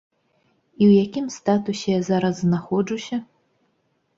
І ў якім статусе я зараз знаходжуся?